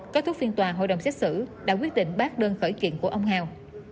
kết thúc phiên tòa hội đồng xét xử đã quyết định bác đơn khởi kiện của ông hào